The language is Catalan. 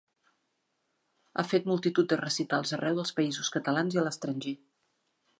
Ha fet multitud de recitals arreu dels Països Catalans i a l'estranger.